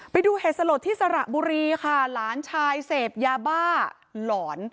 ไปดูเหตุสลดที่สระบุรีค่ะหลานชายเสพยาบ้าหลอน